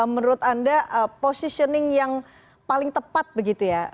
menurut anda positioning yang paling tepat begitu ya